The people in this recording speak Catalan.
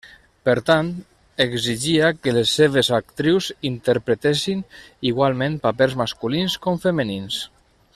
Per tant, exigia que les seves actrius interpretessin igualment papers masculins com femenins.